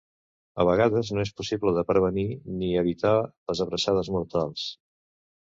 A vegades no és possible de prevenir ni evitar les abraçades mortals.